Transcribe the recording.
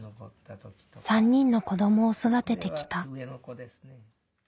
３人の子どもを育ててきた。